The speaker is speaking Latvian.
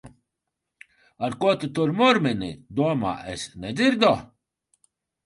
Ar ko tu tur murmini? Domā, es nedzirdu!